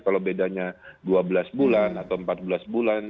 kalau bedanya dua belas bulan atau empat belas bulan